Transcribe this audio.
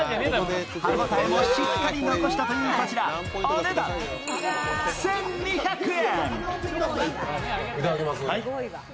歯ごたえもしっかり残したというこちらお値段１２００円。